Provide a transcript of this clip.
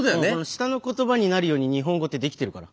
下の言葉になるように日本語ってできてるから。